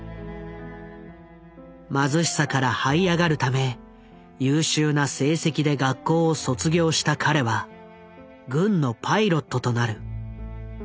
貧しさからはい上がるため優秀な成績で学校を卒業した彼は軍のパイロットとなる。